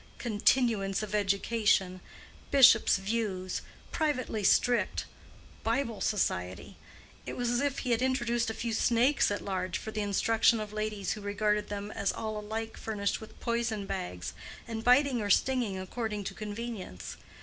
"Continuance of education"—"bishop's views"—"privately strict"—"Bible Society,"—it was as if he had introduced a few snakes at large for the instruction of ladies who regarded them as all alike furnished with poison bags, and, biting or stinging, according to convenience.